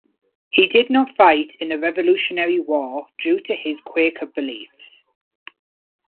He did not fight in the Revolutionary War due to his Quaker beliefs.